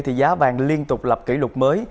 thì giá vàng liên tục lập kỷ lục mới